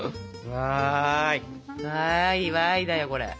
わいわいだよこれ。